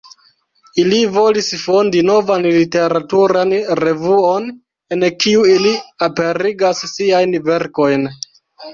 Ili volis fondi novan literaturan revuon, en kiu ili aperigas siajn verkojn.